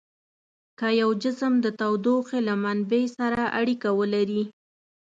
که یو جسم د تودوخې له منبع سره اړیکه ولري.